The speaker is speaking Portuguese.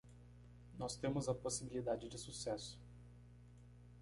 Nós temos a possibilidade de sucesso